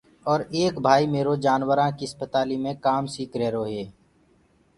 اور ايڪ ڀائيٚ ميرو جناورآنٚ ڪيٚ اِسپتاليٚ مي ڪآم سيٚک ريهرو هي۔